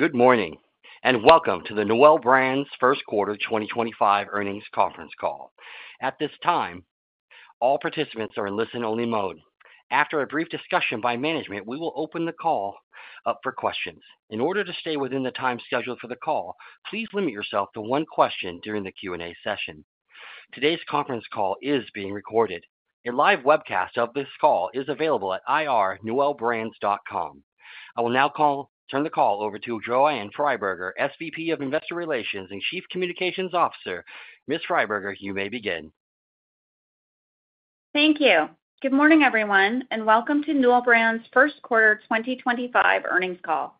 Good morning and welcome to the Newell Brands First Quarter 2025 earnings conference call. At this time, all participants are in listen-only mode. After a brief discussion by management, we will open the call up for questions. In order to stay within the time scheduled for the call, please limit yourself to one question during the Q&A session. Today's conference call is being recorded. A live webcast of this call is available at irnewellbrands.com. I will now turn the call over to Joanne Freiberger, SVP of Investor Relations and Chief Communications Officer. Ms. Freiberger, you may begin. Thank you. Good morning, everyone, and welcome to Newell Brands First Quarter 2025 earnings call.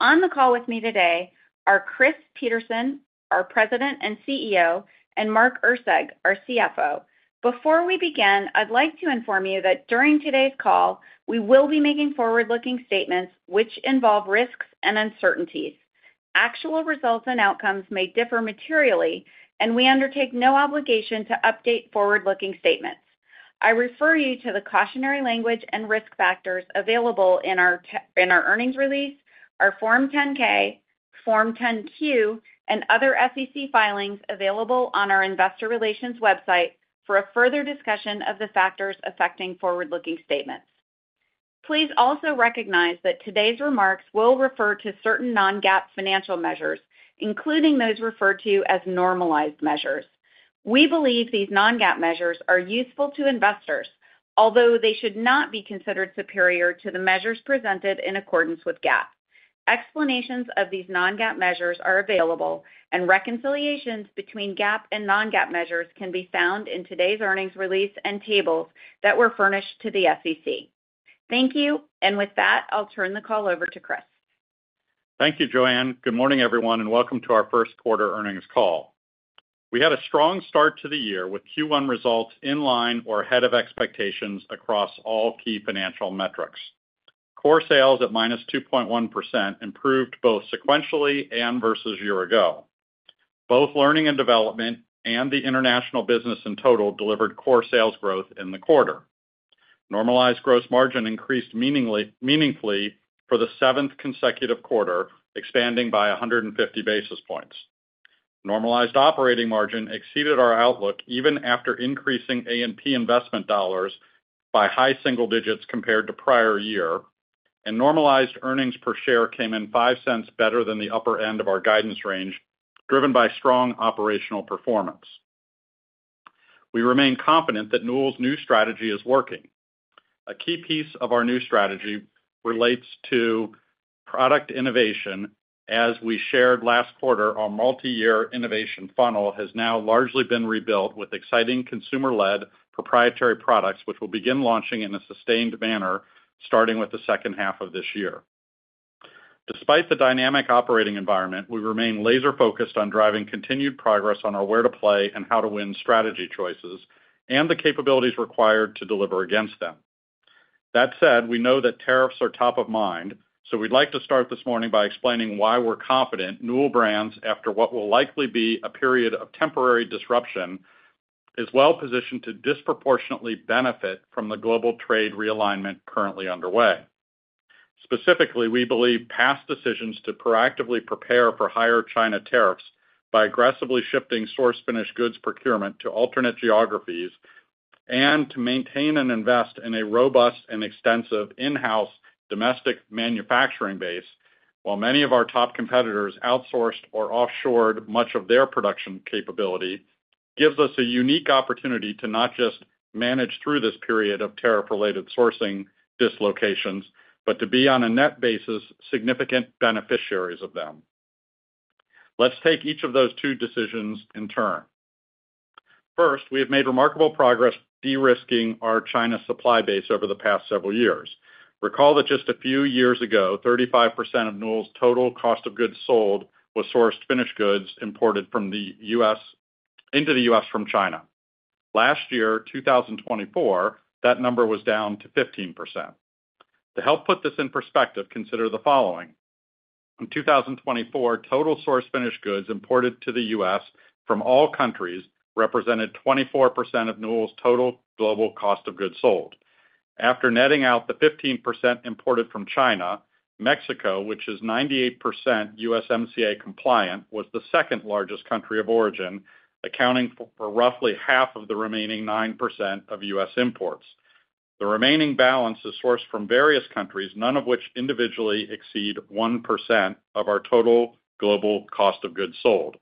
On the call with me today are Chris Peterson, our President and CEO; and Mark Erceg, our CFO. Before we begin, I'd like to inform you that during today's call, we will be making forward-looking statements which involve risks and uncertainties. Actual results and outcomes may differ materially, and we undertake no obligation to update forward-looking statements. I refer you to the cautionary language and risk factors available in our earnings release, our Form 10-K, Form 10-Q, and other SEC filings available on our investor relations website for a further discussion of the factors affecting forward-looking statements. Please also recognize that today's remarks will refer to certain non-GAAP financial measures, including those referred to as normalized measures. We believe these non-GAAP measures are useful to investors, although they should not be considered superior to the measures presented in accordance with GAAP. Explanations of these non-GAAP measures are available, and reconciliations between GAAP and non-GAAP measures can be found in today's earnings release and tables that were furnished to the SEC. Thank you, and with that, I'll turn the call over to Chris. Thank you, Joanne. Good morning, everyone, and welcome to our first quarter earnings call. We had a strong start to the year with Q1 results in line or ahead of expectations across all key financial metrics. Core sales at -2.1% improved both sequentially and versus a year ago. Both Learning and Development and the international business in total delivered core sales growth in the quarter. Normalized gross margin increased meaningfully for the seventh consecutive quarter, expanding by 150 basis points. Normalized operating margin exceeded our outlook even after increasing A&P investment dollars by high single digits compared to prior year, and normalized earnings per share came in $0.05 better than the upper end of our guidance range, driven by strong operational performance. We remain confident that Newell's new strategy is working. A key piece of our new strategy relates to product innovation, as we shared last quarter, our multi-year innovation funnel has now largely been rebuilt with exciting consumer-led proprietary products, which will begin launching in a sustained manner starting with the second half of this year. Despite the dynamic operating environment, we remain laser-focused on driving continued progress on our Where to Play and How to Win strategy choices and the capabilities required to deliver against them. That said, we know that tariffs are top of mind, so we'd like to start this morning by explaining why we're confident Newell Brands, after what will likely be a period of temporary disruption, is well positioned to disproportionately benefit from the global trade realignment currently underway. Specifically, we believe past decisions to proactively prepare for higher China tariffs by aggressively shifting source-finished goods procurement to alternate geographies and to maintain and invest in a robust and extensive in-house domestic manufacturing base while many of our top competitors outsourced or offshored much of their production capability gives us a unique opportunity to not just manage through this period of tariff-related sourcing dislocations, but to be on a net basis significant beneficiaries of them. Let's take each of those two decisions in turn. First, we have made remarkable progress de-risking our China supply base over the past several years. Recall that just a few years ago, 35% of Newell's total cost of goods sold was sourced finished goods imported into the U.S. from China. Last year, 2024, that number was down to 15%. To help put this in perspective, consider the following. In 2024, total source-finished goods imported to the U.S. from all countries represented 24% of Newell's total global cost of goods sold. After netting out the 15% imported from China, Mexico, which is 98% USMCA compliant, was the second largest country of origin, accounting for roughly half of the remaining 9% of U.S. imports. The remaining balance is sourced from various countries, none of which individually exceed 1% of our total global cost of goods sold.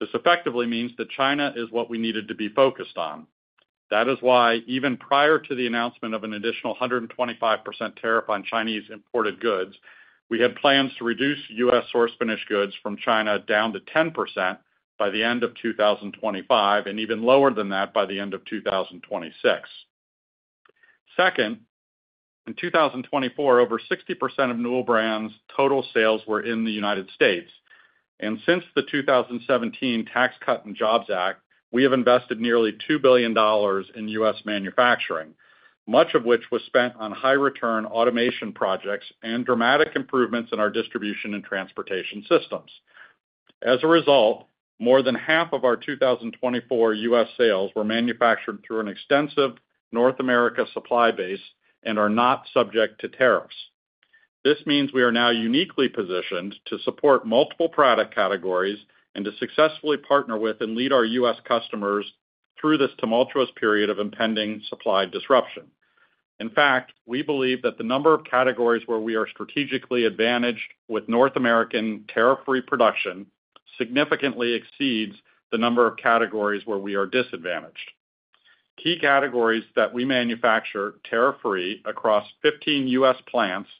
This effectively means that China is what we needed to be focused on. That is why, even prior to the announcement of an additional 125% tariff on Chinese imported goods, we had plans to reduce U.S. source-finished goods from China down to 10% by the end of 2025 and even lower than that by the end of 2026. Second, in 2024, over 60% of Newell Brands' total sales were in the United States. Since the 2017 Tax Cuts and Jobs Act, we have invested nearly $2 billion in U.S. manufacturing, much of which was spent on high-return automation projects and dramatic improvements in our distribution and transportation systems. As a result, more than half of our 2024 U.S. sales were manufactured through an extensive North America supply base and are not subject to tariffs. This means we are now uniquely positioned to support multiple product categories and to successfully partner with and lead our U.S. customers through this tumultuous period of impending supply disruption. In fact, we believe that the number of categories where we are strategically advantaged with North American tariff-free production significantly exceeds the number of categories where we are disadvantaged. Key categories that we manufacture tariff-free across 15 U.S. plants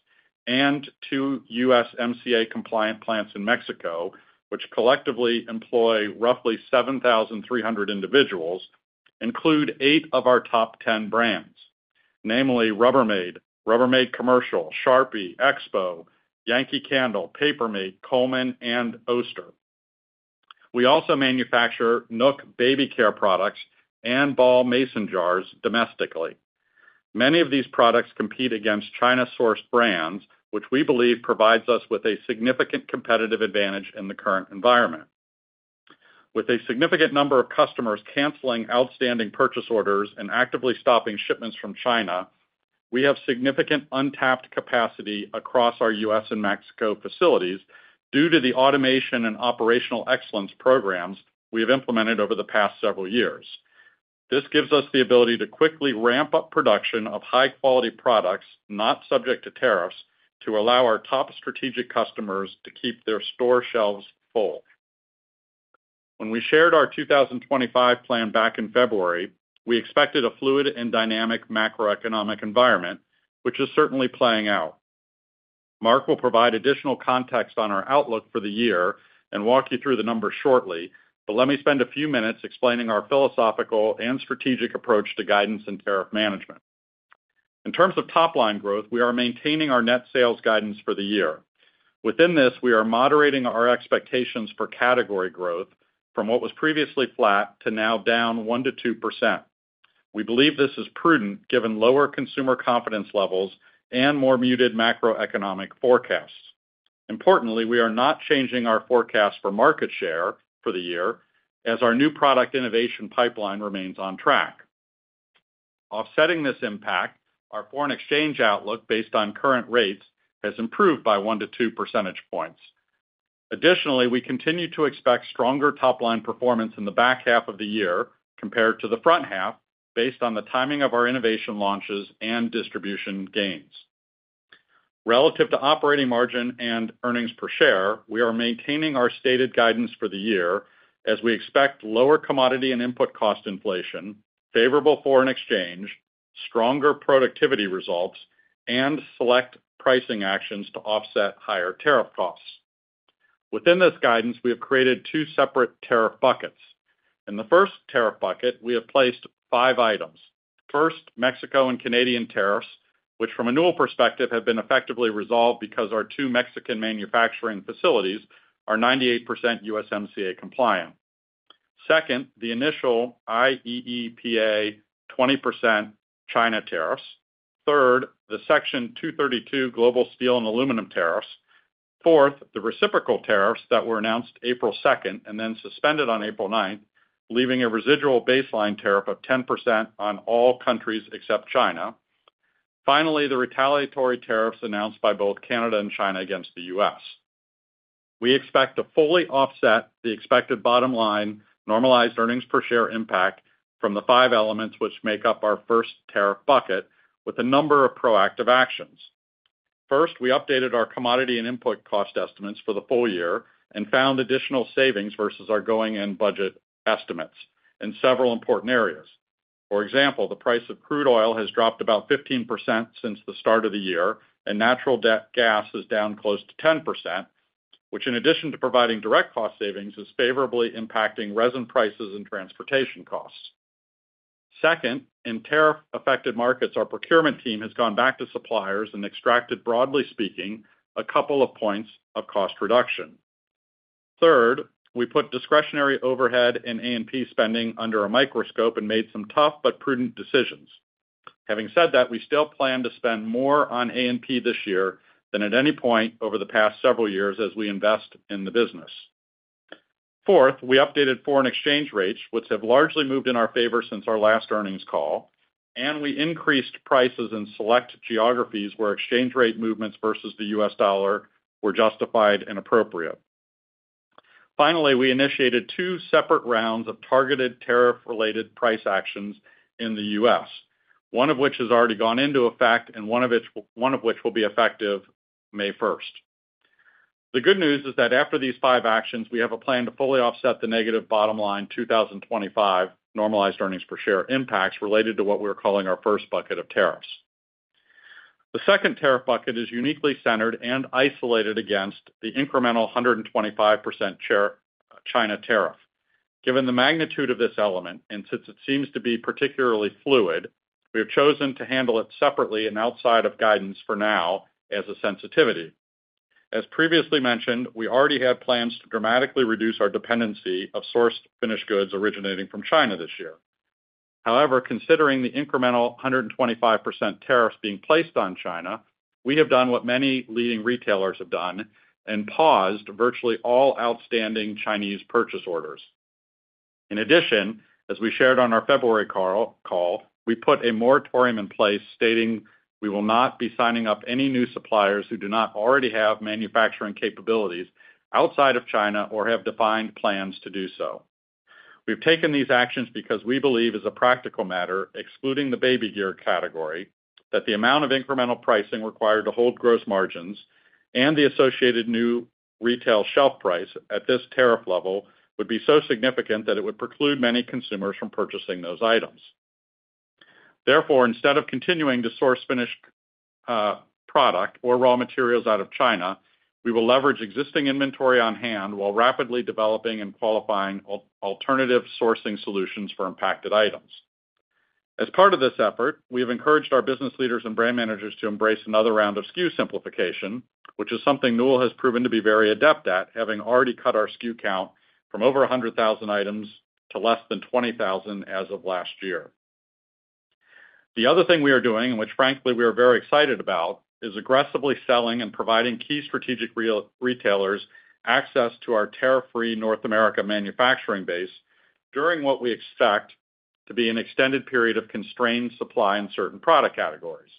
and two USMCA compliant plants in Mexico, which collectively employ roughly 7,300 individuals, include eight of our top 10 brands, namely Rubbermaid, Rubbermaid Commercial, Sharpie, Expo, Yankee Candle, Paper Mate, Coleman, and Oster. We also manufacture NUK baby care products and Ball Mason Jars domestically. Many of these products compete against China-sourced brands, which we believe provides us with a significant competitive advantage in the current environment. With a significant number of customers canceling outstanding purchase orders and actively stopping shipments from China, we have significant untapped capacity across our U.S. and Mexico facilities due to the automation and operational excellence programs we have implemented over the past several years. This gives us the ability to quickly ramp up production of high-quality products not subject to tariffs to allow our top strategic customers to keep their store shelves full. When we shared our 2025 plan back in February, we expected a fluid and dynamic macroeconomic environment, which is certainly playing out. Mark will provide additional context on our outlook for the year and walk you through the numbers shortly, but let me spend a few minutes explaining our philosophical and strategic approach to guidance and tariff management. In terms of top-line growth, we are maintaining our net sales guidance for the year. Within this, we are moderating our expectations for category growth from what was previously flat to now down 1-2%. We believe this is prudent given lower consumer confidence levels and more muted macroeconomic forecasts. Importantly, we are not changing our forecast for market share for the year as our new product innovation pipeline remains on track. Offsetting this impact, our foreign exchange outlook based on current rates has improved by 1-2 percentage points. Additionally, we continue to expect stronger top-line performance in the back half of the year compared to the front half based on the timing of our innovation launches and distribution gains. Relative to operating margin and earnings per share, we are maintaining our stated guidance for the year as we expect lower commodity and input cost inflation, favorable foreign exchange, stronger productivity results, and select pricing actions to offset higher tariff costs. Within this guidance, we have created two separate tariff buckets. In the first tariff bucket, we have placed five items. First, Mexico and Canadian tariffs, which from a Newell perspective have been effectively resolved because our two Mexican manufacturing facilities are 98% USMCA compliant. Second, the initial IEEPA 20% China tariffs. Third, the Section 232 Global Steel and Aluminum tariffs. Fourth, the reciprocal tariffs that were announced April 2nd and then suspended on April 9th, leaving a residual baseline tariff of 10% on all countries except China. Finally, the retaliatory tariffs announced by both Canada and China against the U.S. We expect to fully offset the expected bottom line normalized earnings per share impact from the five elements which make up our first tariff bucket with a number of proactive actions. First, we updated our commodity and input cost estimates for the full year and found additional savings versus our going-in budget estimates in several important areas. For example, the price of crude oil has dropped about 15% since the start of the year, and natural gas is down close to 10%, which in addition to providing direct cost savings is favorably impacting resin prices and transportation costs. Second, in tariff-affected markets, our procurement team has gone back to suppliers and extracted, broadly speaking, a couple of points of cost reduction. Third, we put discretionary overhead and A&P spending under a microscope and made some tough but prudent decisions. Having said that, we still plan to spend more on A&P this year than at any point over the past several years as we invest in the business. Fourth, we updated foreign exchange rates, which have largely moved in our favor since our last earnings call, and we increased prices in select geographies where exchange rate movements versus the U.S. dollar were justified and appropriate. Finally, we initiated two separate rounds of targeted tariff-related price actions in the U.S., one of which has already gone into effect and one of which will be effective May 1st. The good news is that after these five actions, we have a plan to fully offset the negative bottom line 2025 normalized earnings per share impacts related to what we're calling our first bucket of tariffs. The second tariff bucket is uniquely centered and isolated against the incremental 125% China tariff. Given the magnitude of this element and since it seems to be particularly fluid, we have chosen to handle it separately and outside of guidance for now as a sensitivity. As previously mentioned, we already had plans to dramatically reduce our dependency of sourced finished goods originating from China this year. However, considering the incremental 125% tariffs being placed on China, we have done what many leading retailers have done and paused virtually all outstanding Chinese purchase orders. In addition, as we shared on our February call, we put a moratorium in place stating we will not be signing up any new suppliers who do not already have manufacturing capabilities outside of China or have defined plans to do so. We have taken these actions because we believe as a practical matter, excluding the baby gear category, that the amount of incremental pricing required to hold gross margins and the associated new retail shelf price at this tariff level would be so significant that it would preclude many consumers from purchasing those items. Therefore, instead of continuing to source finished product or raw materials out of China, we will leverage existing inventory on hand while rapidly developing and qualifying alternative sourcing solutions for impacted items. As part of this effort, we have encouraged our business leaders and brand managers to embrace another round of SKU simplification, which is something Newell has proven to be very adept at, having already cut our SKU count from over 100,000 items to less than 20,000 as of last year. The other thing we are doing, which frankly we are very excited about, is aggressively selling and providing key strategic retailers access to our tariff-free North America manufacturing base during what we expect to be an extended period of constrained supply in certain product categories.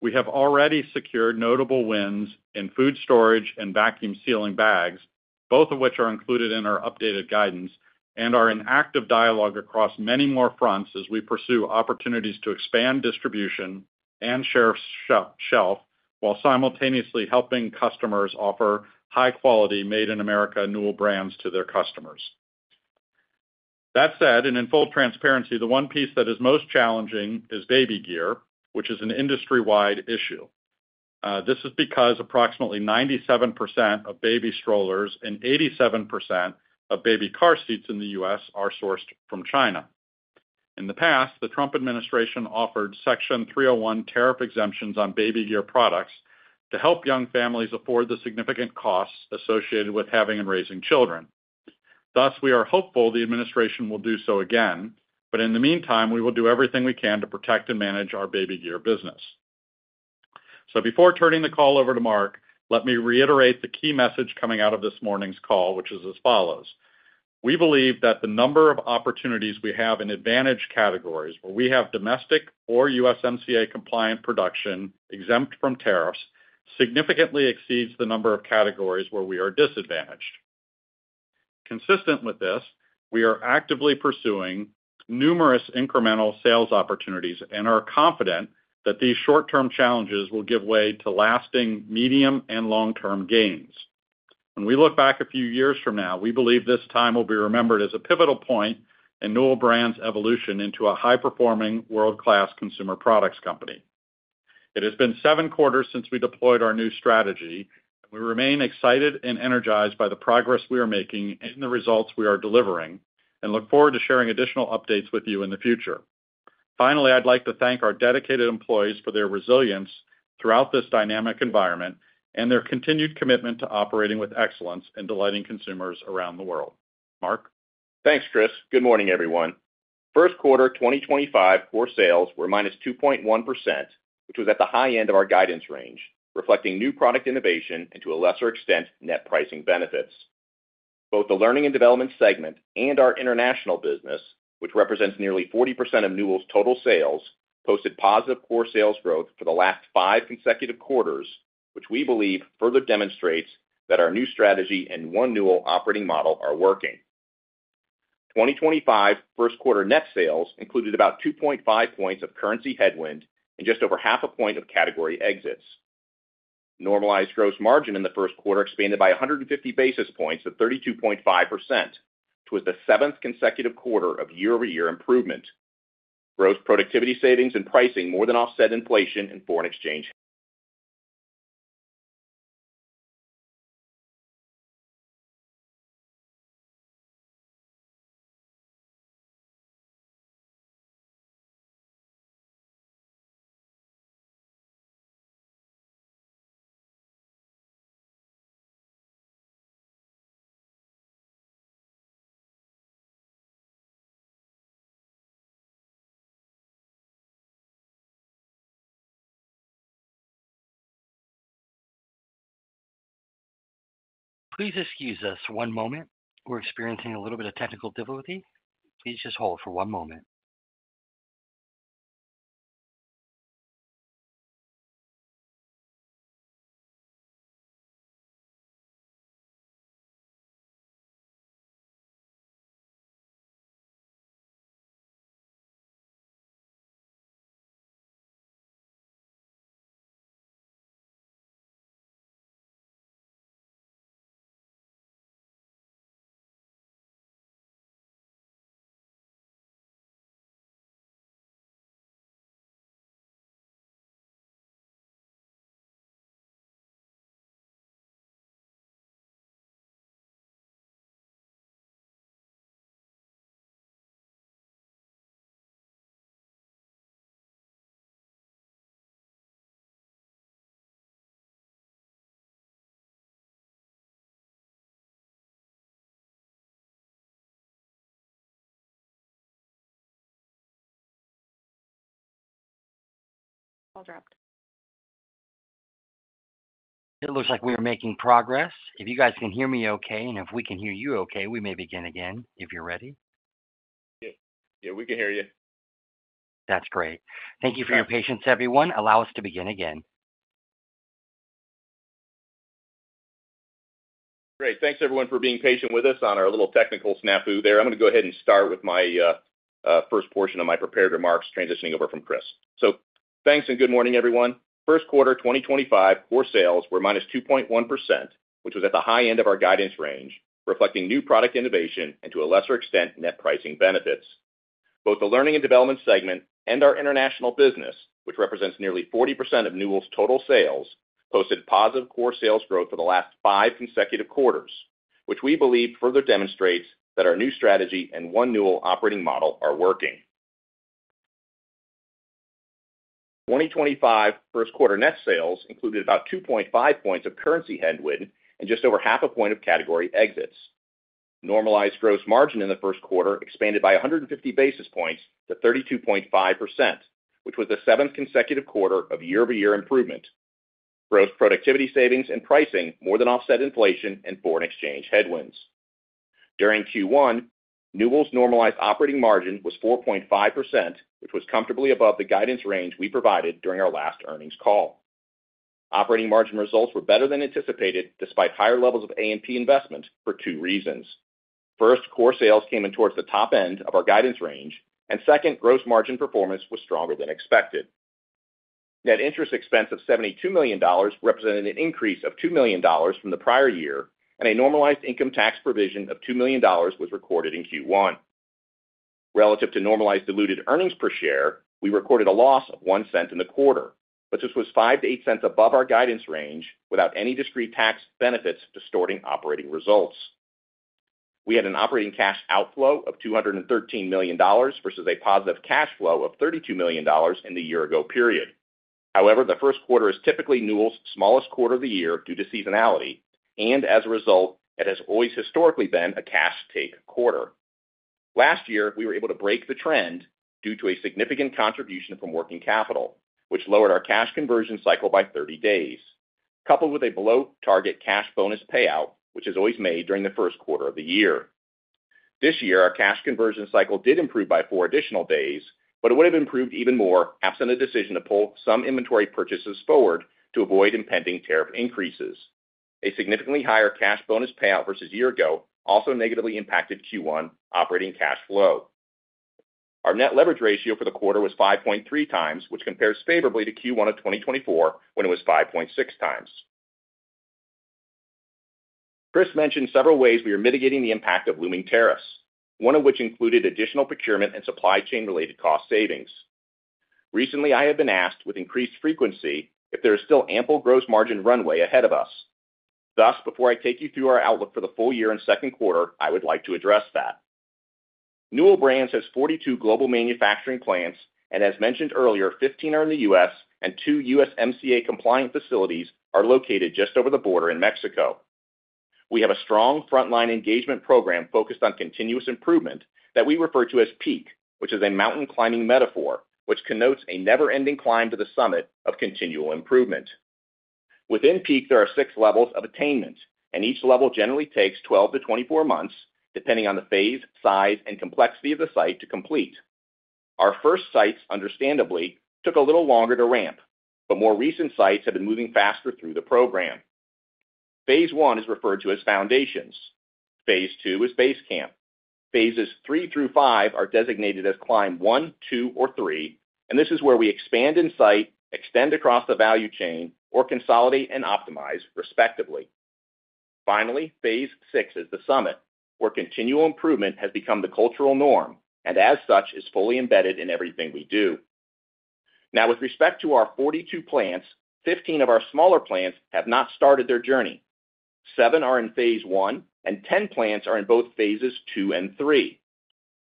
We have already secured notable wins in food storage and vacuum sealing bags, both of which are included in our updated guidance and are in active dialogue across many more fronts as we pursue opportunities to expand distribution and shelf while simultaneously helping customers offer high-quality made-in-America Newell Brands to their customers. That said, and in full transparency, the one piece that is most challenging is baby gear, which is an industry-wide issue. This is because approximately 97% of baby strollers and 87% of baby car seats in the U.S. are sourced from China. In the past, the Trump administration offered Section 301 tariff exemptions on baby gear products to help young families afford the significant costs associated with having and raising children. Thus, we are hopeful the administration will do so again, but in the meantime, we will do everything we can to protect and manage our baby gear business. Before turning the call over to Mark, let me reiterate the key message coming out of this morning's call, which is as follows. We believe that the number of opportunities we have in advantage categories where we have domestic or USMCA compliant production exempt from tariffs significantly exceeds the number of categories where we are disadvantaged. Consistent with this, we are actively pursuing numerous incremental sales opportunities and are confident that these short-term challenges will give way to lasting medium and long-term gains. When we look back a few years from now, we believe this time will be remembered as a pivotal point in Newell Brands' evolution into a high-performing, world-class consumer products company. It has been seven quarters since we deployed our new strategy, and we remain excited and energized by the progress we are making and the results we are delivering and look forward to sharing additional updates with you in the future. Finally, I'd like to thank our dedicated employees for their resilience throughout this dynamic environment and their continued commitment to operating with excellence and delighting consumers around the world. Mark? Thanks, Chris. Good morning, everyone. First quarter 2025 core sales were -2.1%, which was at the high end of our guidance range, reflecting new product innovation and to a lesser extent net pricing benefits. Both the Learning and Development segment and our international business, which represents nearly 40% of Newell's total sales, posted positive core sales growth for the last five consecutive quarters, which we believe further demonstrates that our new strategy and one Newell operating model are working. 2025 first quarter net sales included about 2.5 points of currency headwind and just over half a point of category exits. Normalized gross margin in the first quarter expanded by 150 basis points to 32.5%, which was the seventh consecutive quarter of year-over-year improvement. Gross productivity savings and pricing more than offset inflation and foreign exchange. Please excuse us one moment. We're experiencing a little bit of technical difficulty. Please just hold for one moment. It looks like we are making progress. If you guys can hear me okay and if we can hear you okay, we may begin again if you're ready. Yeah, we can hear you. That's great. Thank you for your patience, everyone. Allow us to begin again. Great. Thanks, everyone, for being patient with us on our little technical snafu there. I'm going to go ahead and start with my first portion of my prepared remarks transitioning over from Chris. Thanks and good morning, everyone. First quarter 2025 core sales were -2.1%, which was at the high end of our guidance range, reflecting new product innovation and to a lesser extent net pricing benefits. Both the Learning and Development segment and our international business, which represents nearly 40% of Newell's total sales, posted positive core sales growth for the last five consecutive quarters, which we believe further demonstrates that our new strategy and One Newell operating model are working. 2025 first quarter net sales included about 2.5 points of currency headwind and just over half a point of category exits. Normalized gross margin in the first quarter expanded by 150 basis points to 32.5%, which was the seventh consecutive quarter of year-over-year improvement. Gross productivity savings and pricing more than offset inflation and foreign exchange headwinds. During Q1, Newell's normalized operating margin was 4.5%, which was comfortably above the guidance range we provided during our last earnings call. Operating margin results were better than anticipated despite higher levels of A&P investment for two reasons. First, core sales came in towards the top end of our guidance range, and second, gross margin performance was stronger than expected. Net interest expense of $72 million represented an increase of $2 million from the prior year, and a normalized income tax provision of $2 million was recorded in Q1. Relative to normalized diluted earnings per share, we recorded a loss of $0.01 in the quarter, but this was $0.05-$0.08 above our guidance range without any discrete tax benefits distorting operating results. We had an operating cash outflow of $213 million versus a positive cash flow of $32 million in the year-ago period. However, the first quarter is typically Newell's smallest quarter of the year due to seasonality, and as a result, it has always historically been a cash-take quarter. Last year, we were able to break the trend due to a significant contribution from working capital, which lowered our cash conversion cycle by 30 days, coupled with a below-target cash bonus payout, which is always made during the first quarter of the year. This year, our cash conversion cycle did improve by four additional days, but it would have improved even more absent a decision to pull some inventory purchases forward to avoid impending tariff increases. A significantly higher cash bonus payout versus year-ago also negatively impacted Q1 operating cash flow. Our net leverage ratio for the quarter was 5.3x, which compares favorably to Q1 of 2024 when it was 5.6x. Chris mentioned several ways we are mitigating the impact of looming tariffs, one of which included additional procurement and supply chain-related cost savings. Recently, I have been asked with increased frequency if there is still ample gross margin runway ahead of us. Thus, before I take you through our outlook for the full year and second quarter, I would like to address that. Newell Brands has 42 global manufacturing plants, and as mentioned earlier, 15 are in the U.S. and two USMCA compliant facilities are located just over the border in Mexico. We have a strong frontline engagement program focused on continuous improvement that we refer to as PEAK, which is a mountain climbing metaphor, which connotes a never-ending climb to the summit of continual improvement. Within PEAK, there are six levels of attainment, and each level generally takes 12-24 months, depending on the phase, size, and complexity of the site to complete. Our first sites, understandably, took a little longer to ramp, but more recent sites have been moving faster through the program. Phase I is referred to as Foundations. Phase II is Base Camp. Phases III through V are designated as climb one, two, or three, and this is where we expand in site, extend across the value chain, or consolidate and optimize, respectively. Finally, Phase VI is the Summit, where continual improvement has become the cultural norm and, as such, is fully embedded in everything we do. Now, with respect to our 42 plants, 15 of our smaller plants have not started their journey. Seven are in phase one, and 10 plants are in both phases two and three.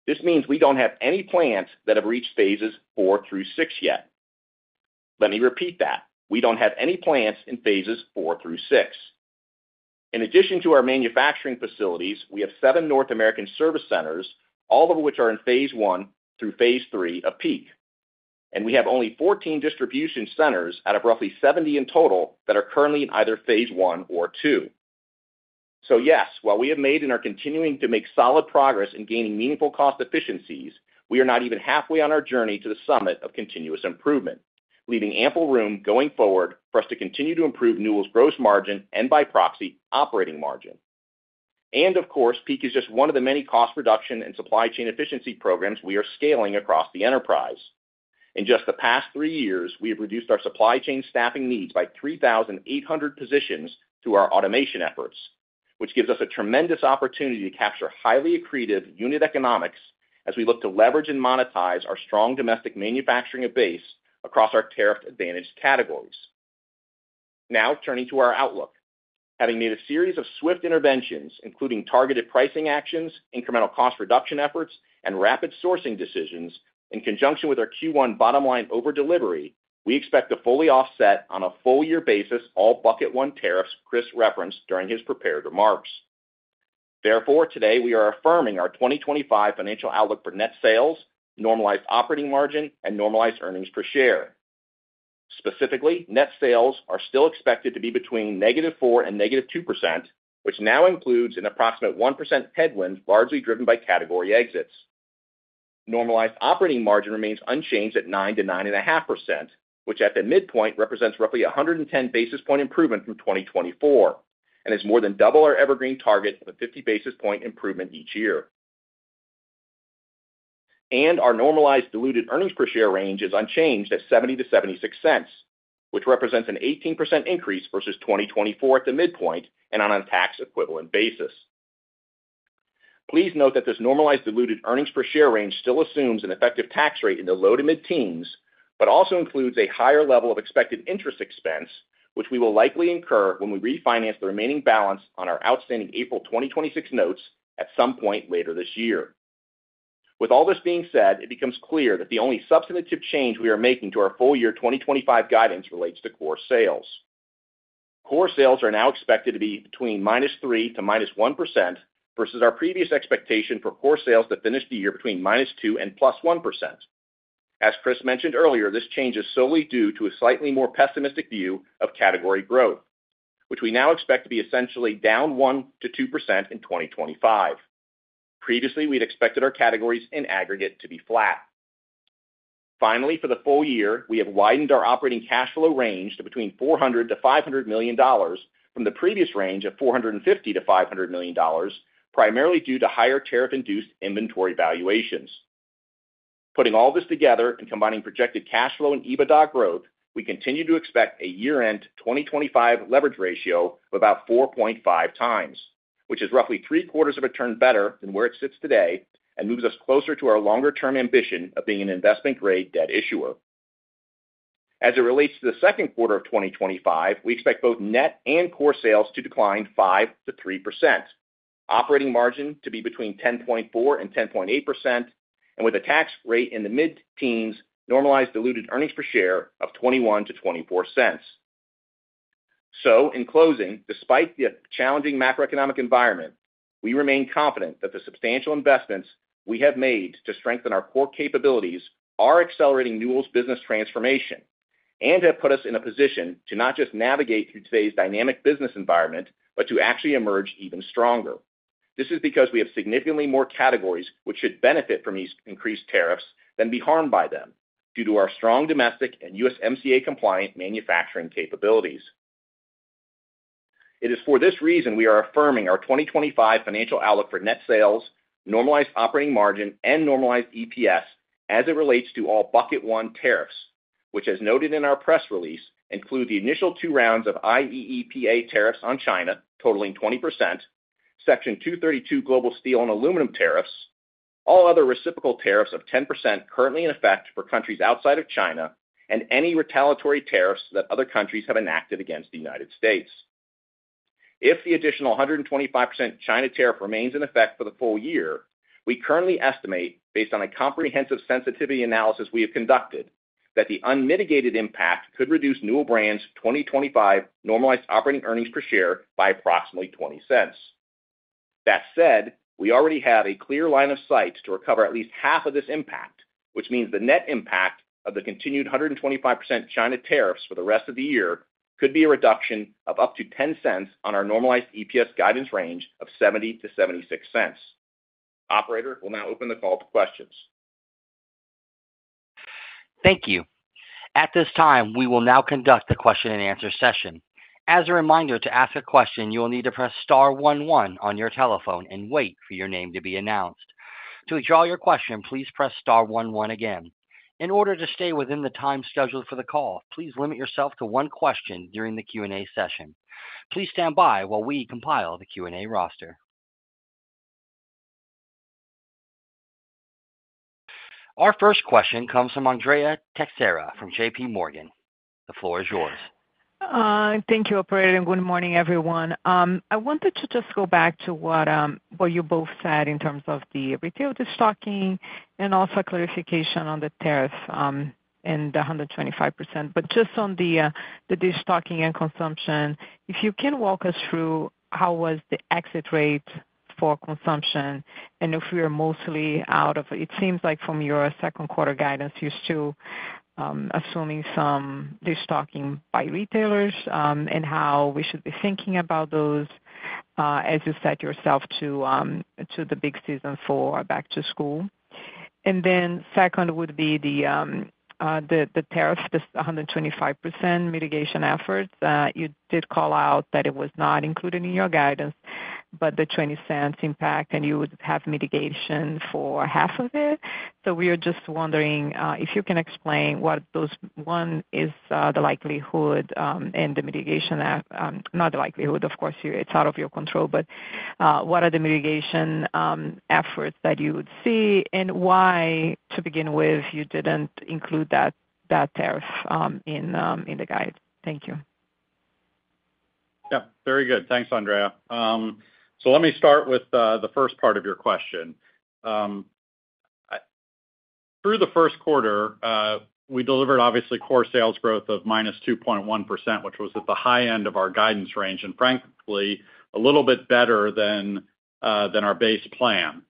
This means we don't have any plants that have reached phases IV through VI yet. Let me repeat that. We don't have any plants in phases IV through VI. In addition to our manufacturing facilities, we have seven North American service centers, all of which are in phase I through phase III of PEAK, and we have only 14 distribution centers out of roughly 70 in total that are currently in either phase I or II. Yes, while we have made and are continuing to make solid progress in gaining meaningful cost efficiencies, we are not even halfway on our journey to the summit of continuous improvement, leaving ample room going forward for us to continue to improve Newell's gross margin and, by proxy, operating margin. Of course, PEAK is just one of the many cost reduction and supply chain efficiency programs we are scaling across the enterprise. In just the past three years, we have reduced our supply chain staffing needs by 3,800 positions through our automation efforts, which gives us a tremendous opportunity to capture highly accretive unit economics as we look to leverage and monetize our strong domestic manufacturing base across our tariff-advantaged categories. Now, turning to our outlook, having made a series of swift interventions, including targeted pricing actions, incremental cost reduction efforts, and rapid sourcing decisions in conjunction with our Q1 bottom line overdelivery, we expect to fully offset on a full-year basis all bucket one tariffs Chris referenced during his prepared remarks. Therefore, today, we are affirming our 2025 financial outlook for net sales, normalized operating margin, and normalized earnings per share. Specifically, net sales are still expected to be between -4% and -2%, which now includes an approximate 1% headwind largely driven by category exits. Normalized operating margin remains unchanged at 9%-9.5%, which at the midpoint represents roughly 110 basis point improvement from 2024 and is more than double our evergreen target of a 50 basis point improvement each year. Our normalized diluted earnings per share range is unchanged at $0.70-$0.76, which represents an 18% increase versus 2024 at the midpoint and on a tax-equivalent basis. Please note that this normalized diluted earnings per share range still assumes an effective tax rate in the low to mid-teens, but also includes a higher level of expected interest expense, which we will likely incur when we refinance the remaining balance on our outstanding April 2026 notes at some point later this year. With all this being said, it becomes clear that the only substantive change we are making to our full year 2025 guidance relates to core sales. Core sales are now expected to be between -3% to -1% versus our previous expectation for core sales to finish the year between -2% and +1%. As Chris mentioned earlier, this change is solely due to a slightly more pessimistic view of category growth, which we now expect to be essentially down 1%-2% in 2025. Previously, we had expected our categories in aggregate to be flat. Finally, for the full year, we have widened our operating cash flow range to between $400 million-$500 million from the previous range of $450 million-$500 million, primarily due to higher tariff-induced inventory valuations. Putting all this together and combining projected cash flow and EBITDA growth, we continue to expect a year-end 2025 leverage ratio of about 4.5x, which is roughly 3/4 of a turn better than where it sits today and moves us closer to our longer-term ambition of being an investment-grade debt issuer. As it relates to the second quarter of 2025, we expect both net and core sales to decline 5%-3%, operating margin to be between 10.4% and 10.8%, and with a tax rate in the mid-teens, normalized diluted earnings per share of $0.21-$0.24. In closing, despite the challenging macroeconomic environment, we remain confident that the substantial investments we have made to strengthen our core capabilities are accelerating Newell's business transformation and have put us in a position to not just navigate through today's dynamic business environment, but to actually emerge even stronger. This is because we have significantly more categories which should benefit from these increased tariffs than be harmed by them due to our strong domestic and USMCA-compliant manufacturing capabilities. It is for this reason we are affirming our 2025 financial outlook for net sales, normalized operating margin, and normalized EPS as it relates to all bucket one tariffs, which, as noted in our press release, include the initial two rounds of IEEPA tariffs on China totaling 20%, Section 232 Global Steel and Aluminum tariffs, all other reciprocal tariffs of 10% currently in effect for countries outside of China, and any retaliatory tariffs that other countries have enacted against the United States. If the additional 25% China tariff remains in effect for the full year, we currently estimate, based on a comprehensive sensitivity analysis we have conducted, that the unmitigated impact could reduce Newell Brands' 2025 normalized operating earnings per share by approximately $0.20. That said, we already have a clear line of sight to recover at least half of this impact, which means the net impact of the continued 25% China tariffs for the rest of the year could be a reduction of up to $0.10 on our normalized EPS guidance range of $0.70-$0.76. Operator will now open the call to questions. Thank you. At this time, we will now conduct the question-and-answer session. As a reminder, to ask a question, you will need to press star one one on your telephone and wait for your name to be announced. To withdraw your question, please press star one one again. In order to stay within the time scheduled for the call, please limit yourself to one question during the Q&A session. Please stand by while we compile the Q&A roster. Our first question comes from Andrea Teixeira from JPMorgan. The floor is yours. Thank you, Operator, and good morning, everyone. I wanted to just go back to what you both said in terms of the retail destocking and also a clarification on the tariff and the 125%. Just on the destocking and consumption, if you can walk us through how was the exit rate for consumption and if we are mostly out of, it seems like from your second quarter guidance, you're still assuming some destocking by retailers and how we should be thinking about those, as you said yourself, to the big season for back to school. Then second would be the tariffs, the 125% mitigation efforts. You did call out that it was not included in your guidance, but the $0.20 impact, and you would have mitigation for half of it. We are just wondering if you can explain what those, one is the likelihood and the mitigation, not the likelihood, of course, it is out of your control, but what are the mitigation efforts that you would see and why, to begin with, you did not include that tariff in the guidance? Thank you. Yeah. Very good. Thanks, Andrea. Let me start with the first part of your question. Through the first quarter, we delivered, obviously, core sales growth of -2.1%, which was at the high end of our guidance range and, frankly, a little bit better than our base plan.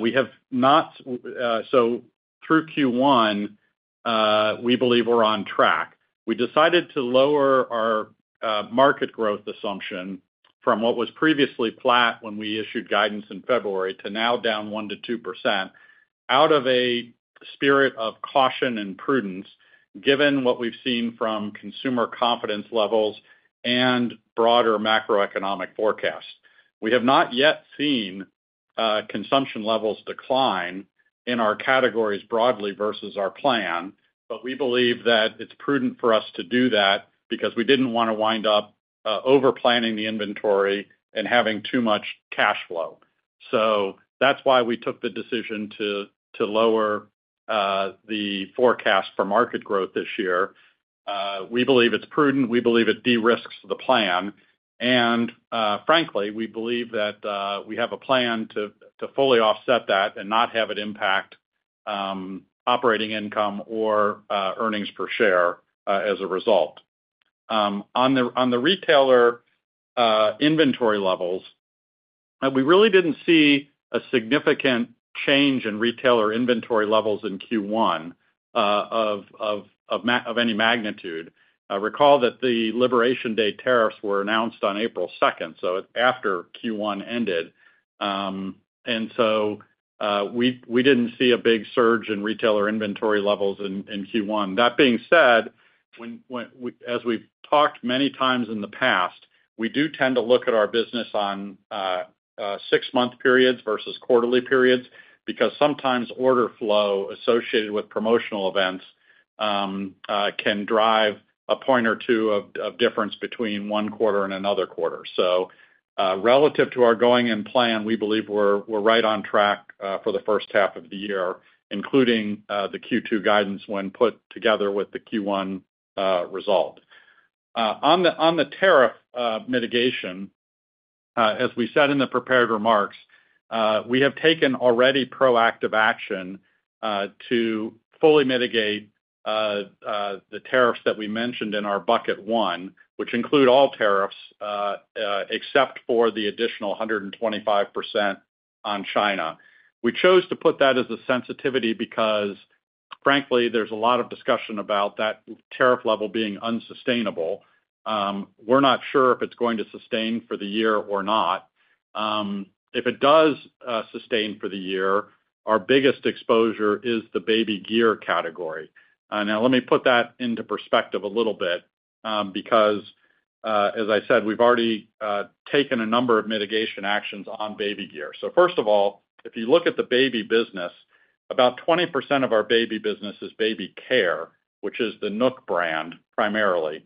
We have not, so through Q1, we believe we are on track. We decided to lower our market growth assumption from what was previously flat when we issued guidance in February to now down 1%-2% out of a spirit of caution and prudence, given what we've seen from consumer confidence levels and broader macroeconomic forecasts. We have not yet seen consumption levels decline in our categories broadly versus our plan, but we believe that it's prudent for us to do that because we didn't want to wind up overplanning the inventory and having too much cash flow. That is why we took the decision to lower the forecast for market growth this year. We believe it's prudent. We believe it de-risks the plan. Frankly, we believe that we have a plan to fully offset that and not have it impact operating income or earnings per share as a result. On the retailer inventory levels, we really did not see a significant change in retailer inventory levels in Q1 of any magnitude. Recall that the Liberation Day tariffs were announced on April 2nd, so after Q1 ended. We did not see a big surge in retailer inventory levels in Q1. That being said, as we have talked many times in the past, we do tend to look at our business on six-month periods versus quarterly periods because sometimes order flow associated with promotional events can drive a point or two of difference between one quarter and another quarter. Relative to our going-in plan, we believe we are right on track for the first half of the year, including the Q2 guidance when put together with the Q1 result. On the tariff mitigation, as we said in the prepared remarks, we have taken already proactive action to fully mitigate the tariffs that we mentioned in our bucket one, which include all tariffs except for the additional 125% on China. We chose to put that as a sensitivity because, frankly, there's a lot of discussion about that tariff level being unsustainable. We're not sure if it's going to sustain for the year or not. If it does sustain for the year, our biggest exposure is the baby gear category. Now, let me put that into perspective a little bit because, as I said, we've already taken a number of mitigation actions on baby gear. First of all, if you look at the baby business, about 20% of our baby business is baby care, which is the NUK brand primarily.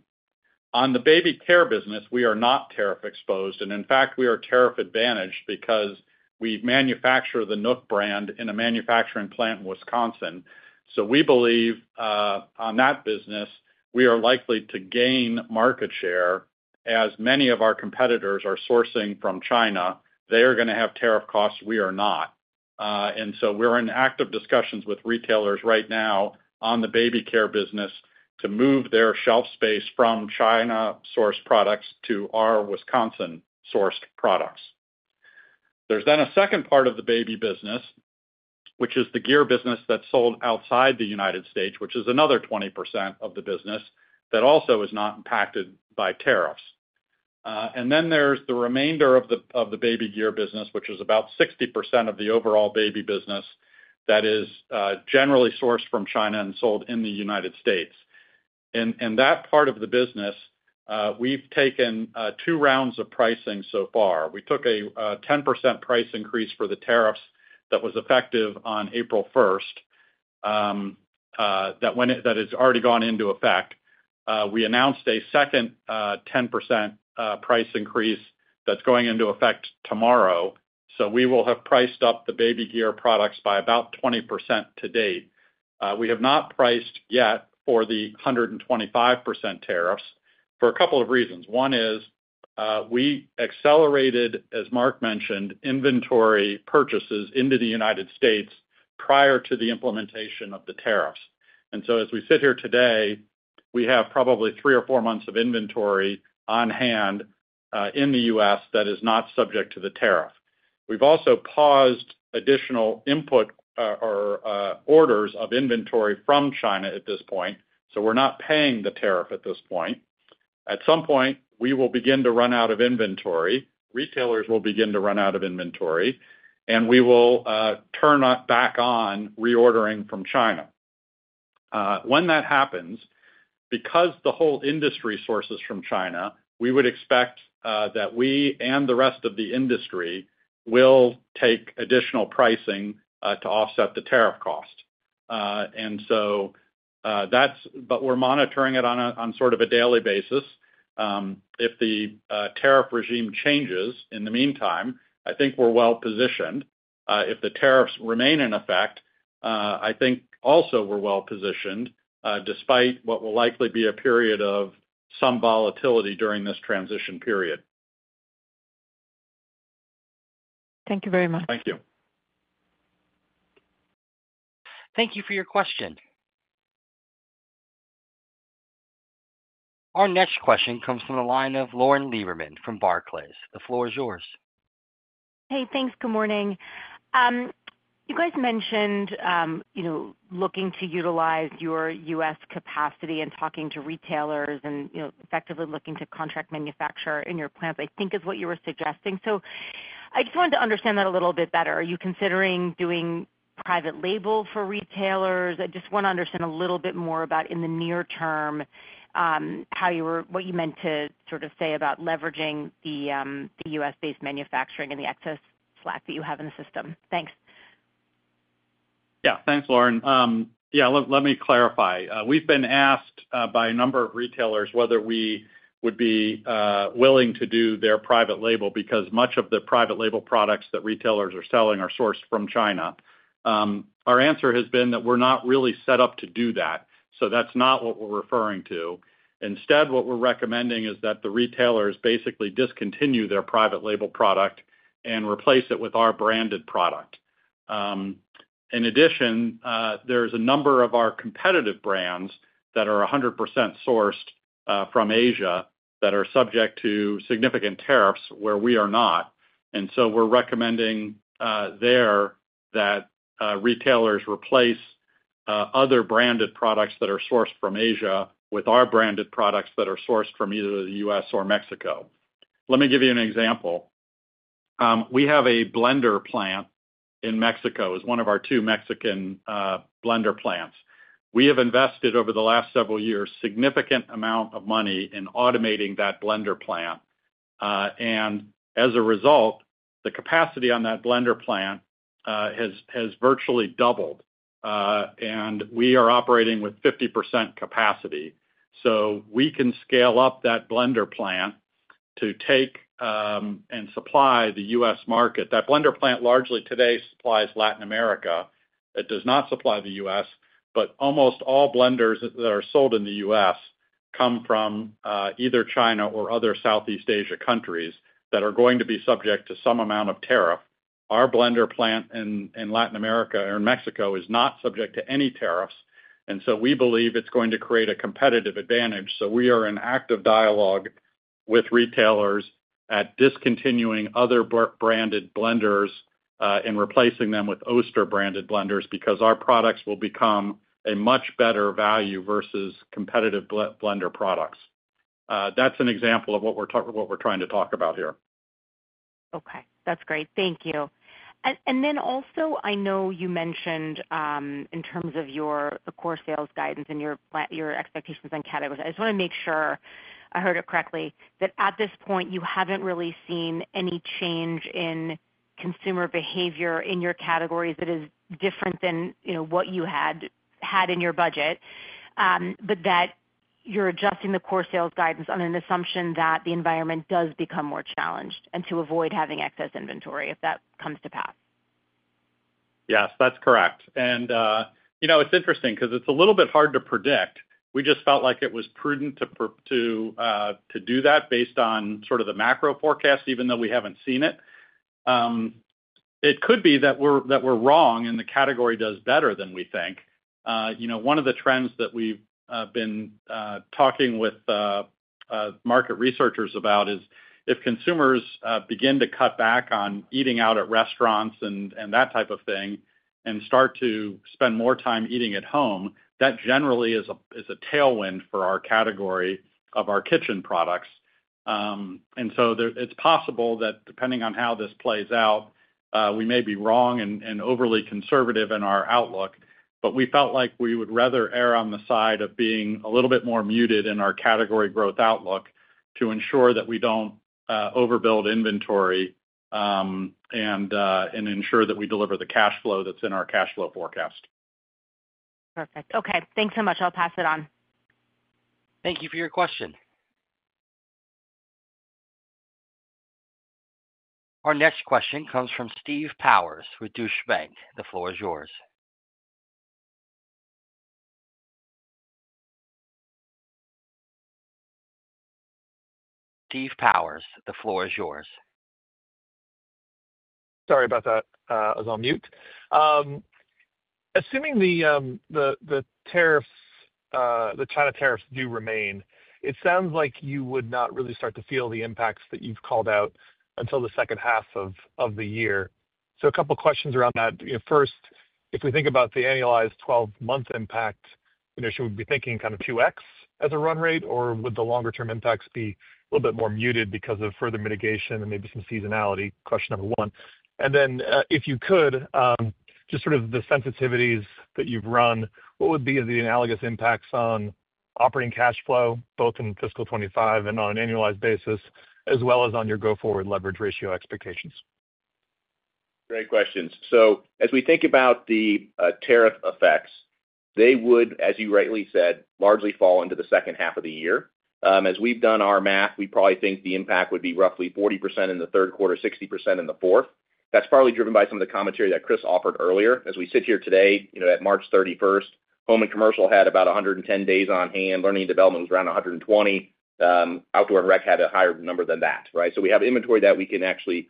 On the baby care business, we are not tariff-exposed. In fact, we are tariff-advantaged because we manufacture the NUK brand in a manufacturing plant in Wisconsin. We believe on that business, we are likely to gain market share as many of our competitors are sourcing from China. They are going to have tariff costs. We are not. We are in active discussions with retailers right now on the baby care business to move their shelf space from China-sourced products to our Wisconsin-sourced products. There is then a second part of the baby business, which is the gear business that is sold outside the United States, which is another 20% of the business that also is not impacted by tariffs. There is the remainder of the baby gear business, which is about 60% of the overall baby business that is generally sourced from China and sold in the United States. In that part of the business, we've taken two rounds of pricing so far. We took a 10% price increase for the tariffs that was effective on April 1st that has already gone into effect. We announced a second 10% price increase that's going into effect tomorrow. We will have priced up the baby gear products by about 20% to date. We have not priced yet for the 125% tariffs for a couple of reasons. One is we accelerated, as Mark mentioned, inventory purchases into the United States prior to the implementation of the tariffs. As we sit here today, we have probably three or four months of inventory on hand in the U.S. that is not subject to the tariff. We've also paused additional input or orders of inventory from China at this point. We are not paying the tariff at this point. At some point, we will begin to run out of inventory. Retailers will begin to run out of inventory, and we will turn back on reordering from China. When that happens, because the whole industry sources from China, we would expect that we and the rest of the industry will take additional pricing to offset the tariff cost. We are monitoring it on sort of a daily basis. If the tariff regime changes in the meantime, I think we are well-positioned. If the tariffs remain in effect, I think also we are well-positioned despite what will likely be a period of some volatility during this transition period. Thank you very much. Thank you. Thank you for your question. Our next question comes from the line of Lauren Lieberman from Barclays. The floor is yours. Hey, thanks. Good morning. You guys mentioned looking to utilize your U.S. capacity and talking to retailers and effectively looking to contract manufacturer in your plants, I think, is what you were suggesting. I just wanted to understand that a little bit better. Are you considering doing private label for retailers? I just want to understand a little bit more about, in the near term, what you meant to sort of say about leveraging the U.S.-based manufacturing and the excess slack that you have in the system. Thanks. Yeah. Thanks, Lauren. Yeah. Let me clarify. We've been asked by a number of retailers whether we would be willing to do their private label because much of the private label products that retailers are selling are sourced from China. Our answer has been that we're not really set up to do that. That is not what we're referring to. Instead, what we're recommending is that the retailers basically discontinue their private label product and replace it with our branded product. In addition, there's a number of our competitive brands that are 100% sourced from Asia that are subject to significant tariffs where we are not. We are recommending there that retailers replace other branded products that are sourced from Asia with our branded products that are sourced from either the U.S. or Mexico. Let me give you an example. We have a blender plant in Mexico as one of our two Mexican blender plants. We have invested over the last several years a significant amount of money in automating that blender plant. As a result, the capacity on that blender plant has virtually doubled. We are operating with 50% capacity. We can scale up that blender plant to take and supply the U.S. market. That blender plant largely today supplies Latin America. It does not supply the U.S. Almost all blenders that are sold in the U.S. come from either China or other Southeast Asia countries that are going to be subject to some amount of tariff. Our blender plant in Latin America or in Mexico is not subject to any tariffs. We believe it is going to create a competitive advantage. We are in active dialogue with retailers at discontinuing other branded blenders and replacing them with Oster-branded blenders because our products will become a much better value versus competitive blender products. That is an example of what we are trying to talk about here. Okay. That is great. Thank you. I know you mentioned in terms of your core sales guidance and your expectations on categories. I just want to make sure I heard it correctly that at this point, you haven't really seen any change in consumer behavior in your categories that is different than what you had in your budget, but that you're adjusting the core sales guidance on an assumption that the environment does become more challenged and to avoid having excess inventory if that comes to pass. Yes. That's correct. It's interesting because it's a little bit hard to predict. We just felt like it was prudent to do that based on sort of the macro forecast, even though we haven't seen it. It could be that we're wrong and the category does better than we think. One of the trends that we've been talking with market researchers about is if consumers begin to cut back on eating out at restaurants and that type of thing and start to spend more time eating at home, that generally is a tailwind for our category of our kitchen products. It is possible that depending on how this plays out, we may be wrong and overly conservative in our outlook, but we felt like we would rather err on the side of being a little bit more muted in our category growth outlook to ensure that we do not overbuild inventory and ensure that we deliver the cash flow that is in our cash flow forecast. Perfect. Okay. Thanks so much. I'll pass it on. Thank you for your question. Our next question comes from Steve Powers with Deutsche Bank. The floor is yours. Steve Powers, the floor is yours. Sorry about that. I was on mute. Assuming the China tariffs do remain, it sounds like you would not really start to feel the impacts that you've called out until the second half of the year. A couple of questions around that. First, if we think about the annualized 12-month impact, should we be thinking kind of 2x as a run rate, or would the longer-term impacts be a little bit more muted because of further mitigation and maybe some seasonality? Question number one. If you could, just sort of the sensitivities that you've run, what would be the analogous impacts on operating cash flow, both in fiscal 2025 and on an annualized basis, as well as on your go-forward leverage ratio expectations? Great questions. As we think about the tariff effects, they would, as you rightly said, largely fall into the second half of the year. As we've done our math, we probably think the impact would be roughly 40% in the third quarter, 60% in the fourth. That's probably driven by some of the commentary that Chris offered earlier. As we sit here today, at March 31, Home and Commercial had about 110 days on hand. Learning and Development was around 120. Outdoor and Rec had a higher number than that, right? We have inventory that we can actually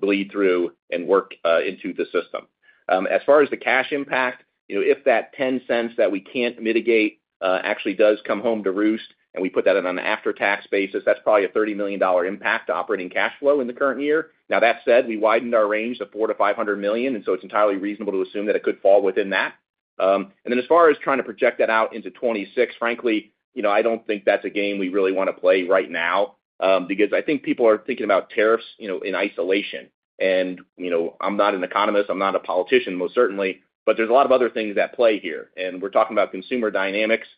bleed through and work into the system. As far as the cash impact, if that $0.10 that we can't mitigate actually does come home to roost and we put that in on an after-tax basis, that's probably a $30 million impact to operating cash flow in the current year. Now, that said, we widened our range to $400 million-$500 million, and so it's entirely reasonable to assume that it could fall within that. As far as trying to project that out into 2026, frankly, I don't think that's a game we really want to play right now because I think people are thinking about tariffs in isolation. I'm not an economist. I'm not a politician, most certainly, but there's a lot of other things at play here. We're talking about consumer dynamics.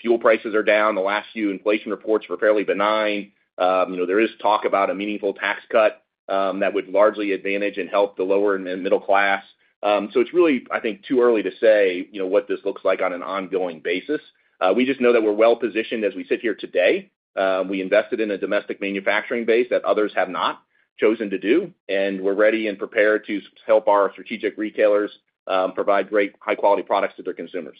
Fuel prices are down. The last few inflation reports were fairly benign. There is talk about a meaningful tax cut that would largely advantage and help the lower and middle class. It's really, I think, too early to say what this looks like on an ongoing basis. We just know that we're well-positioned as we sit here today. We invested in a domestic manufacturing base that others have not chosen to do. We are ready and prepared to help our strategic retailers provide great high-quality products to their consumers.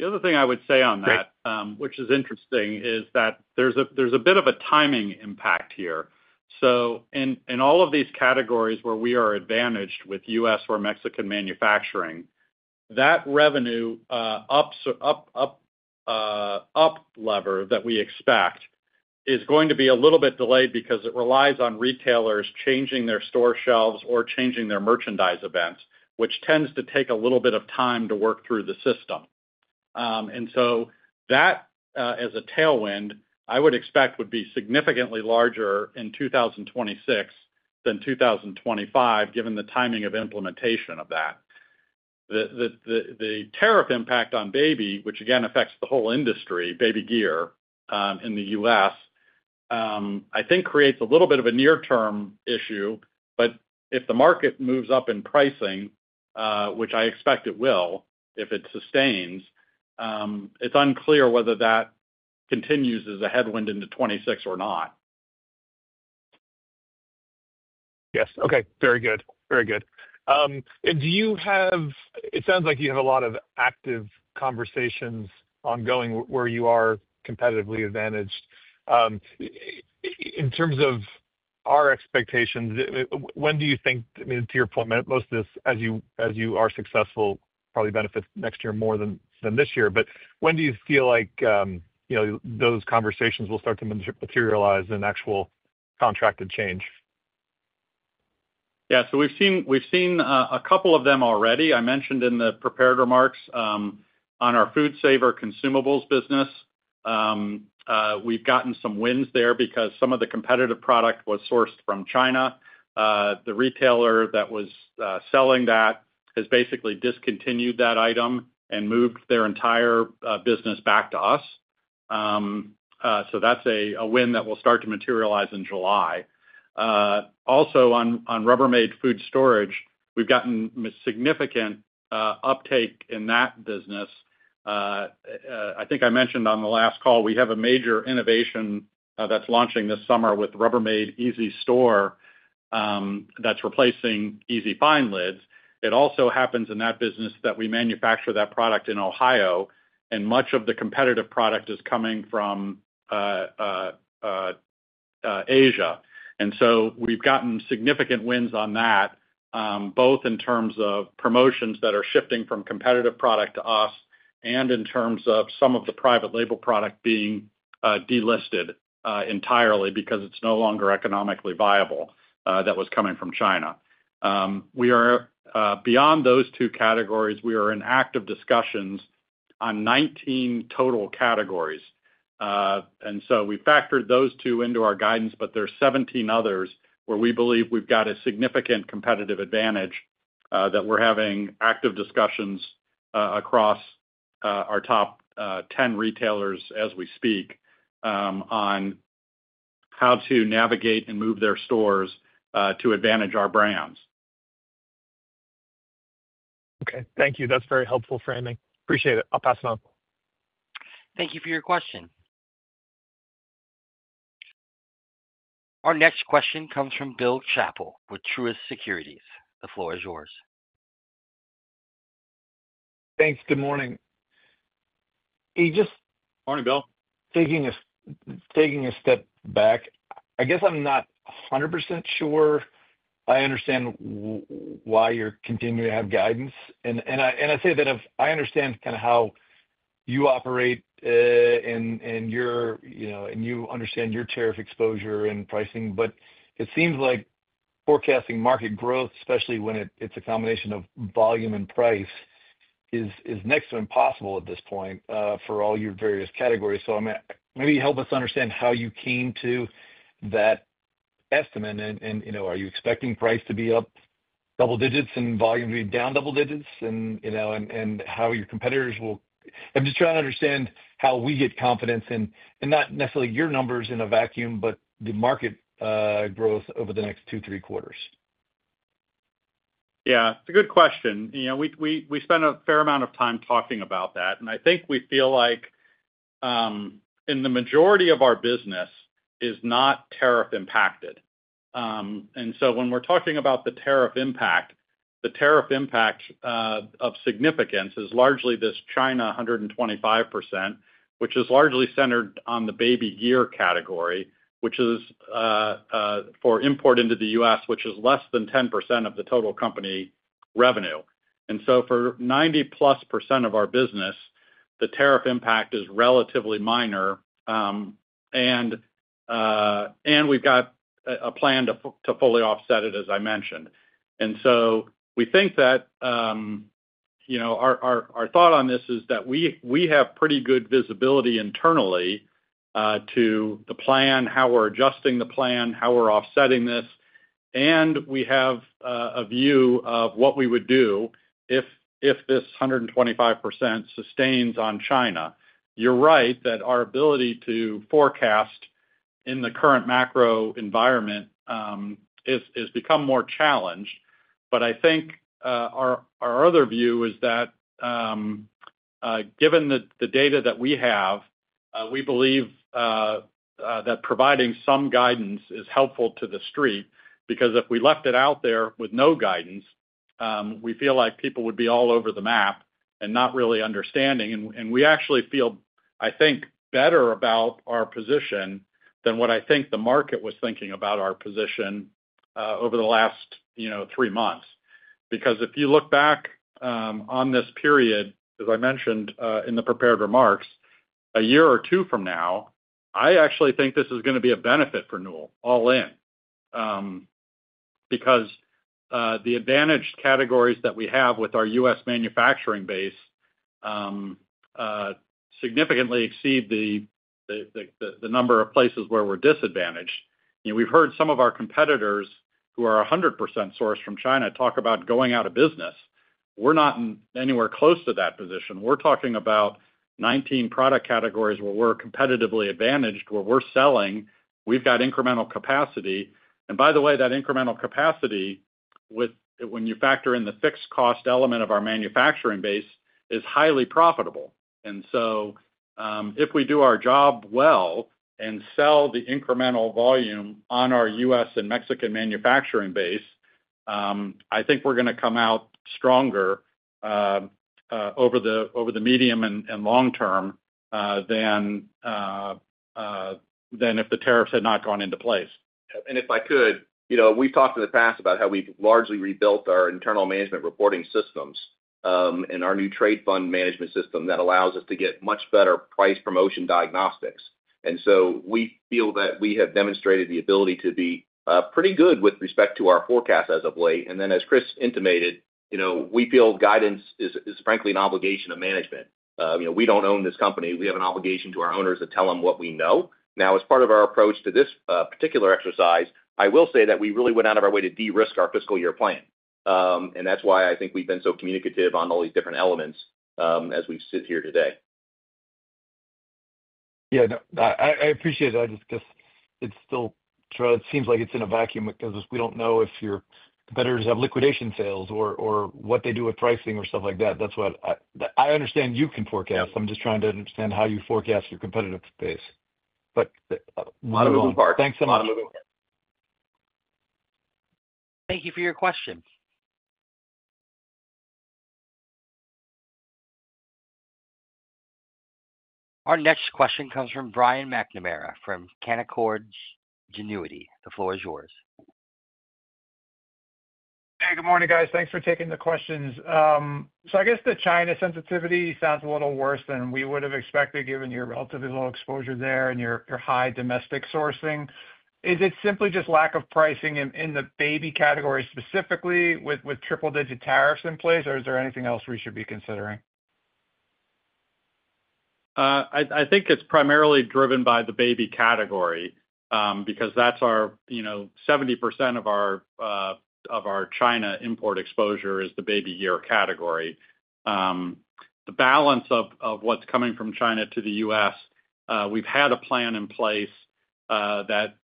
The other thing I would say on that, which is interesting, is that there is a bit of a timing impact here. In all of these categories where we are advantaged with U.S. or Mexican manufacturing, that revenue up lever that we expect is going to be a little bit delayed because it relies on retailers changing their store shelves or changing their merchandise events, which tends to take a little bit of time to work through the system. That, as a tailwind, I would expect would be significantly larger in 2026 than 2025, given the timing of implementation of that. The tariff impact on baby, which again affects the whole industry, baby gear in the U.S., I think creates a little bit of a near-term issue. If the market moves up in pricing, which I expect it will if it sustains, it is unclear whether that continues as a headwind into 2026 or not. Yes. Okay. Very good. Very good. You have, it sounds like, a lot of active conversations ongoing where you are competitively advantaged. In terms of our expectations, when do you think, I mean, to your point, most of this, as you are successful, probably benefits next year more than this year. When do you feel like those conversations will start to materialize in actual contracted change? Yes. We have seen a couple of them already. I mentioned in the prepared remarks on our FoodSaver consumables business, we've gotten some wins there because some of the competitive product was sourced from China. The retailer that was selling that has basically discontinued that item and moved their entire business back to us. That's a win that will start to materialize in July. Also, on Rubbermaid food storage, we've gotten significant uptake in that business. I think I mentioned on the last call, we have a major innovation that's launching this summer with Rubbermaid EasyStore that's replacing EasyFindLids. It also happens in that business that we manufacture that product in Ohio, and much of the competitive product is coming from Asia. We have gotten significant wins on that, both in terms of promotions that are shifting from competitive product to us and in terms of some of the private label product being delisted entirely because it is no longer economically viable that was coming from China. Beyond those two categories, we are in active discussions on 19 total categories. We factored those two into our guidance, but there are 17 others where we believe we have a significant competitive advantage that we are having active discussions across our top 10 retailers as we speak on how to navigate and move their stores to advantage our brands. Okay. Thank you. That is very helpful framing. Appreciate it. I will pass it on. Thank you for your question. Our next question comes from Bill Chappell with Truist Securities. The floor is yours. Thanks. Good morning. Hey, just. Morning, Bill. Taking a step back, I guess I'm not 100% sure I understand why you're continuing to have guidance. I say that I understand kind of how you operate and you understand your tariff exposure and pricing, but it seems like forecasting market growth, especially when it's a combination of volume and price, is next to impossible at this point for all your various categories. Maybe help us understand how you came to that estimate. Are you expecting price to be up double digits and volume to be down double digits? How your competitors will—I'm just trying to understand how we get confidence in not necessarily your numbers in a vacuum, but the market growth over the next two, three quarters. Yeah. It's a good question. We spent a fair amount of time talking about that. I think we feel like the majority of our business is not tariff impacted. When we are talking about the tariff impact, the tariff impact of significance is largely this China 125%, which is largely centered on the baby gear category, which is for import into the U.S., which is less than 10% of the total company revenue. For 90%+ of our business, the tariff impact is relatively minor. We have a plan to fully offset it, as I mentioned. We think that our thought on this is that we have pretty good visibility internally to the plan, how we are adjusting the plan, how we are offsetting this. We have a view of what we would do if this 125% sustains on China. You are right that our ability to forecast in the current macro environment has become more challenged. I think our other view is that given the data that we have, we believe that providing some guidance is helpful to the street because if we left it out there with no guidance, we feel like people would be all over the map and not really understanding. We actually feel, I think, better about our position than what I think the market was thinking about our position over the last three months. If you look back on this period, as I mentioned in the prepared remarks, a year or two from now, I actually think this is going to be a benefit for Newell all in because the advantaged categories that we have with our U.S. manufacturing base significantly exceed the number of places where we're disadvantaged. We've heard some of our competitors who are 100% sourced from China talk about going out of business. We're not anywhere close to that position. We're talking about 19 product categories where we're competitively advantaged, where we're selling, we've got incremental capacity. By the way, that incremental capacity, when you factor in the fixed cost element of our manufacturing base, is highly profitable. If we do our job well and sell the incremental volume on our U.S. and Mexican manufacturing base, I think we're going to come out stronger over the medium and long term than if the tariffs had not gone into place. If I could, we've talked in the past about how we've largely rebuilt our internal management reporting systems and our new trade fund management system that allows us to get much better price promotion diagnostics. We feel that we have demonstrated the ability to be pretty good with respect to our forecast as of late. As Chris intimated, we feel guidance is frankly an obligation of management. We do not own this company. We have an obligation to our owners to tell them what we know. As part of our approach to this particular exercise, I will say that we really went out of our way to de-risk our fiscal year plan. That is why I think we have been so communicative on all these different elements as we sit here today. Yeah. I appreciate it. It still seems like it is in a vacuum because we do not know if your competitors have liquidation sales or what they do with pricing or stuff like that. I understand you can forecast. I am just trying to understand how you forecast your competitive space. Not a moving part. Thanks so much. Thank you for your question. Our next question comes from Brian McNamara from Canaccord Genuity. The floor is yours. Hey, good morning, guys. Thanks for taking the questions. I guess the China sensitivity sounds a little worse than we would have expected given your relatively low exposure there and your high domestic sourcing. Is it simply just lack of pricing in the baby category specifically with triple-digit tariffs in place, or is there anything else we should be considering? I think it's primarily driven by the baby category because that's our 70% of our China import exposure is the baby gear category. The balance of what's coming from China to the U.S., we've had a plan in place that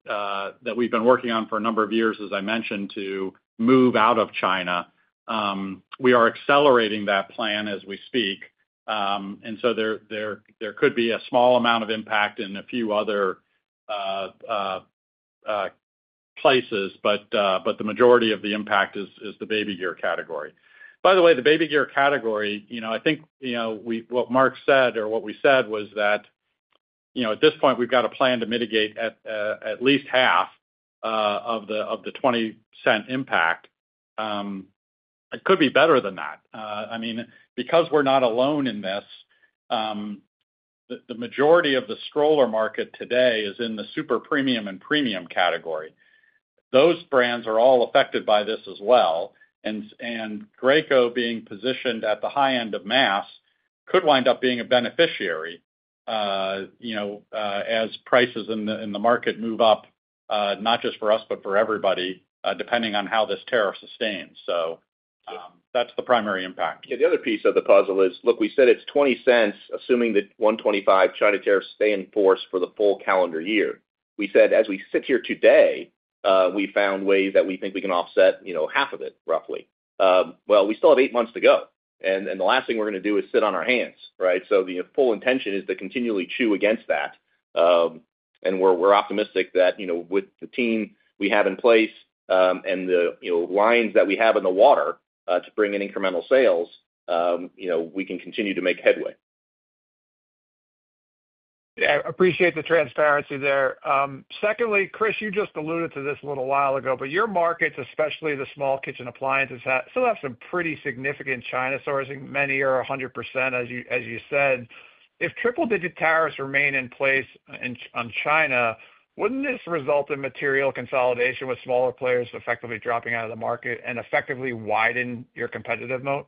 we've been working on for a number of years, as I mentioned, to move out of China. We are accelerating that plan as we speak. There could be a small amount of impact in a few other places, but the majority of the impact is the baby gear category. By the way, the baby gear category, I think what Mark said or what we said was that at this point, we've got a plan to mitigate at least half of the $0.20 impact. It could be better than that. I mean, because we're not alone in this, the majority of the stroller market today is in the super premium and premium category. Those brands are all affected by this as well. And Graco, being positioned at the high end of mass, could wind up being a beneficiary as prices in the market move up, not just for us, but for everybody, depending on how this tariff sustains. That is the primary impact. Yeah. The other piece of the puzzle is, look, we said it's $0.20 assuming that 125% China tariffs stay in force for the full calendar year. We said as we sit here today, we found ways that we think we can offset half of it, roughly. We still have eight months to go. The last thing we're going to do is sit on our hands, right? The full intention is to continually chew against that. We are optimistic that with the team we have in place and the lines that we have in the water to bring in incremental sales, we can continue to make headway. I appreciate the transparency there. Secondly, Chris, you just alluded to this a little while ago, but your markets, especially the small kitchen appliances, still have some pretty significant China sourcing. Many are 100%, as you said. If triple-digit tariffs remain in place on China, would not this result in material consolidation with smaller players effectively dropping out of the market and effectively widen your competitive moat?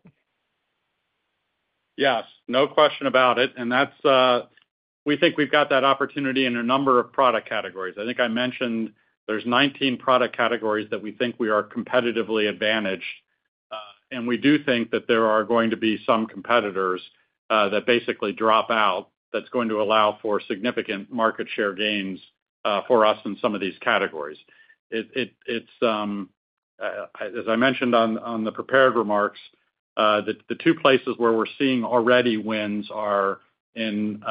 Yes. No question about it. We think we have that opportunity in a number of product categories. I think I mentioned there are 19 product categories that we think we are competitively advantaged. We do think that there are going to be some competitors that basically drop out that is going to allow for significant market share gains for us in some of these categories. As I mentioned in the prepared remarks, the two places where we are already seeing wins are in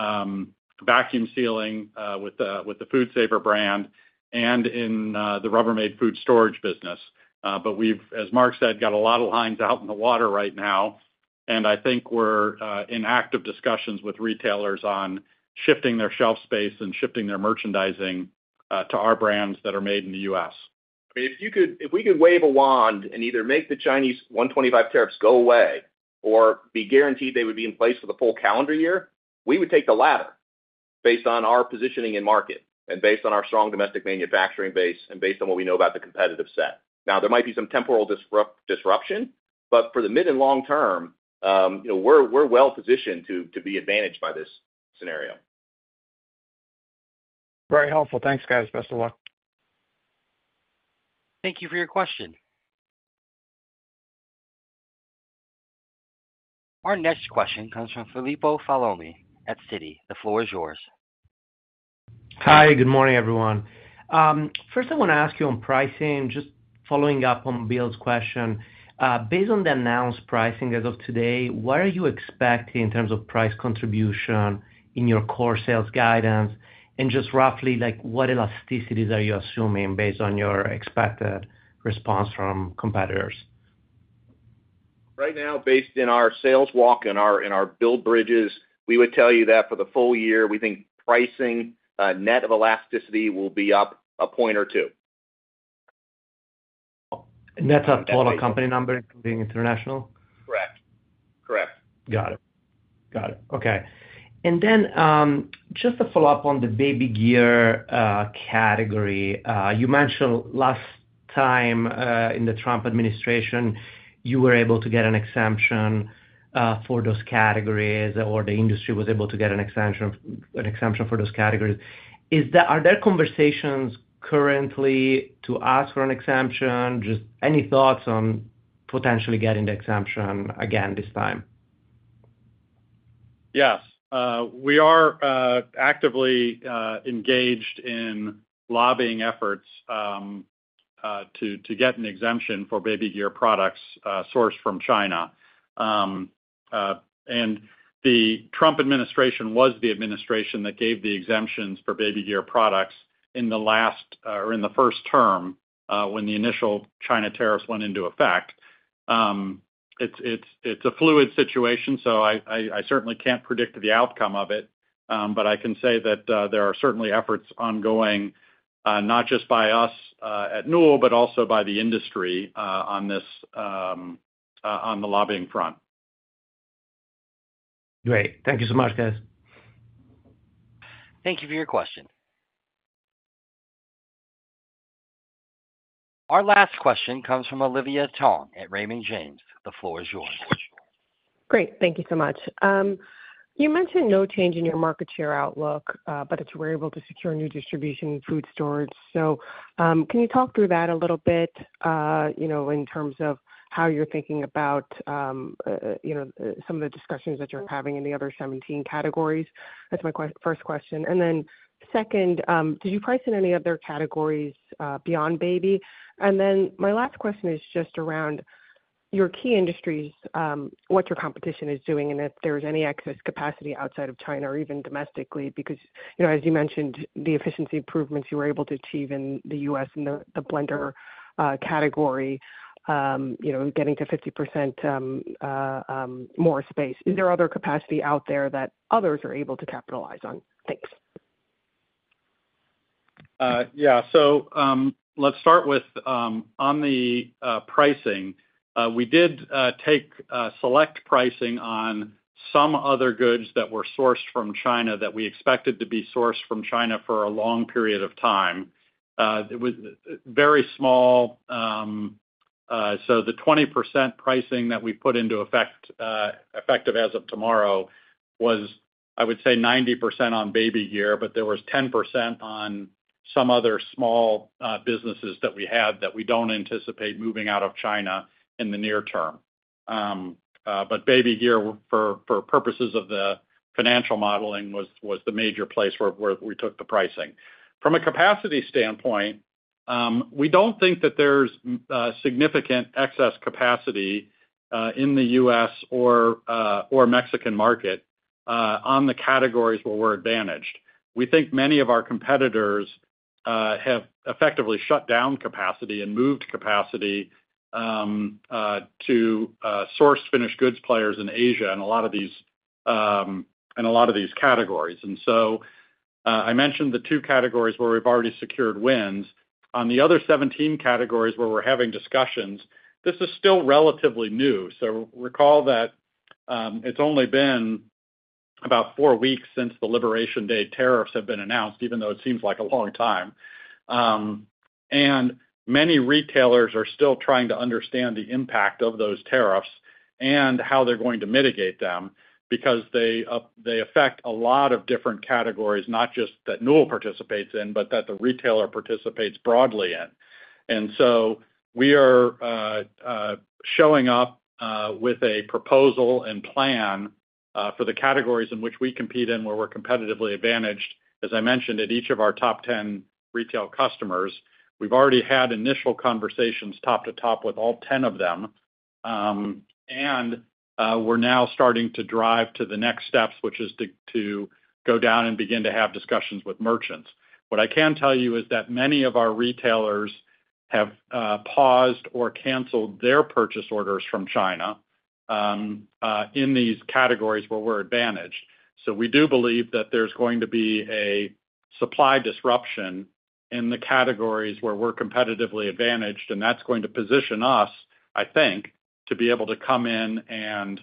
vacuum sealing with the FoodSaver brand and in the Rubbermaid food storage business. We have, as Mark said, got a lot of lines out in the water right now. I think we're in active discussions with retailers on shifting their shelf space and shifting their merchandising to our brands that are made in the U.S. I mean, if we could wave a wand and either make the Chinese 125% tariffs go away or be guaranteed they would be in place for the full calendar year, we would take the latter based on our positioning in market and based on our strong domestic manufacturing base and based on what we know about the competitive set. Now, there might be some temporal disruption, but for the mid and long term, we're well-positioned to be advantaged by this scenario. Very helpful. Thanks, guys. Best of luck. Thank you for your question. Our next question comes from Filippo Falorni at Citi. The floor is yours. Hi. Good morning, everyone. First, I want to ask you on pricing, just following up on Bill's question. Based on the announced pricing as of today, what are you expecting in terms of price contribution in your core sales guidance? And just roughly, what elasticities are you assuming based on your expected response from competitors? Right now, based in our sales walk and our build bridges, we would tell you that for the full year, we think pricing net of elasticity will be up a point or two. Net of total company number, including international? Correct. Correct. Got it. Got it. Okay. Just to follow up on the baby gear category, you mentioned last time in the Trump administration, you were able to get an exemption for those categories or the industry was able to get an exemption for those categories. Are there conversations currently to ask for an exemption? Just any thoughts on potentially getting the exemption again this time? Yes. We are actively engaged in lobbying efforts to get an exemption for baby gear products sourced from China. The Trump administration was the administration that gave the exemptions for baby gear products in the last or in the first term when the initial China tariffs went into effect. It's a fluid situation, so I certainly can't predict the outcome of it. I can say that there are certainly efforts ongoing, not just by us at Newell, but also by the industry on the lobbying front. Great. Thank you so much, guys. Thank you for your question. Our last question comes from Olivia Tong at Raymond James. The floor is yours. Great. Thank you so much. You mentioned no change in your market share outlook, but you were able to secure new distribution in food storage. Can you talk through that a little bit in terms of how you're thinking about some of the discussions that you're having in the other 17 categories? That's my first question. Second, did you price in any other categories beyond baby? My last question is just around your key industries, what your competition is doing, and if there's any excess capacity outside of China or even domestically, because as you mentioned, the efficiency improvements you were able to achieve in the U.S. in the blender category, getting to 50% more space. Is there other capacity out there that others are able to capitalize on? Thanks. Yeah. Let's start with on the pricing. We did take select pricing on some other goods that were sourced from China that we expected to be sourced from China for a long period of time. It was very small. The 20% pricing that we put into effect effective as of tomorrow was, I would say, 90% on baby gear, but there was 10% on some other small businesses that we had that we do not anticipate moving out of China in the near term. Baby gear, for purposes of the financial modeling, was the major place where we took the pricing. From a capacity standpoint, we do not think that there is significant excess capacity in the U.S. or Mexican market on the categories where we are advantaged. We think many of our competitors have effectively shut down capacity and moved capacity to sourced finished goods players in Asia in a lot of these categories. I mentioned the two categories where we have already secured wins. On the other 17 categories where we are having discussions, this is still relatively new. Recall that it's only been about four weeks since the Liberation Day tariffs have been announced, even though it seems like a long time. Many retailers are still trying to understand the impact of those tariffs and how they're going to mitigate them because they affect a lot of different categories, not just that Newell participates in, but that the retailer participates broadly in. We are showing up with a proposal and plan for the categories in which we compete in where we're competitively advantaged. As I mentioned, at each of our top 10 retail customers, we've already had initial conversations top to top with all 10 of them. We're now starting to drive to the next steps, which is to go down and begin to have discussions with merchants. What I can tell you is that many of our retailers have paused or canceled their purchase orders from China in these categories where we're advantaged. We do believe that there's going to be a supply disruption in the categories where we're competitively advantaged, and that's going to position us, I think, to be able to come in and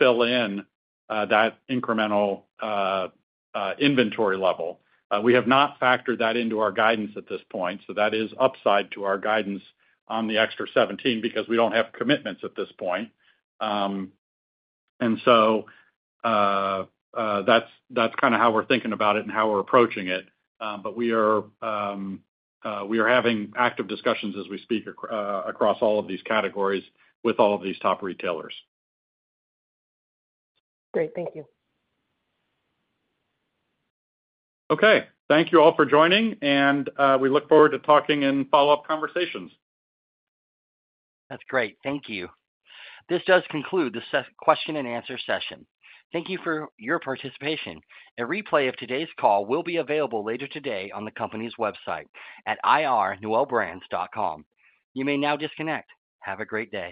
fill in that incremental inventory level. We have not factored that into our guidance at this point. That is upside to our guidance on the extra 17 because we don't have commitments at this point. That is kind of how we're thinking about it and how we're approaching it. We are having active discussions as we speak across all of these categories with all of these top retailers. Great. Thank you. Thank you all for joining, and we look forward to talking in follow-up conversations. That's great. Thank you. This does conclude the question and answer session. Thank you for your participation. A replay of today's call will be available later today on the company's website at ir.newellbrands.com. You may now disconnect. Have a great day.